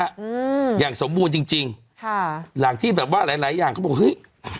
อืมอย่างสมบูรณ์จริงจริงค่ะหลังที่แบบว่าหลายหลายอย่างเขาบอกเฮ้ย